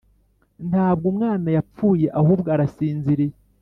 Ntabwo umwana yapfuye ahubwo arasinziriye